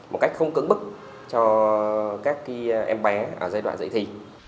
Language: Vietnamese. một cách không cứng bức cho các em bé ở giai đoạn dạy thì